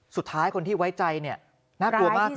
สุดท้ายคนที่ไว้ใจเนี่ยน่ากลัวมากนะ